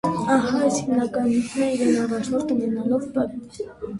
Ահա այս հիմնական միտքն իրեն առաջնորդ ունենալով, պ.